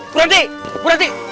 bu rantik bu rantik